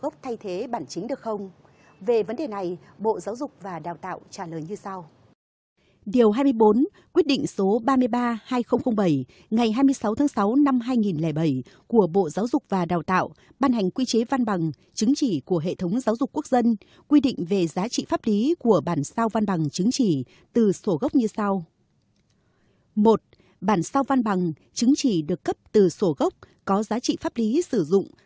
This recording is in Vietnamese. về vấn đề này bộ giáo dục và đào tạo trả lời như sau